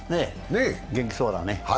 元気そうだね。